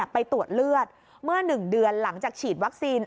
ไปตรวจเลือดเมื่อ๑เดือนหลังจากฉีดวัคซีน